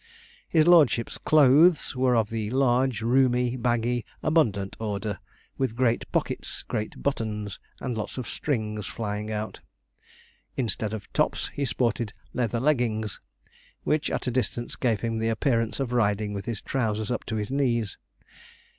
His lordship's clothes were of the large, roomy, baggy, abundant order, with great pockets, great buttons, and lots of strings flying out. Instead of tops, he sported leather leggings, which at a distance gave him the appearance of riding with his trousers up to his knees.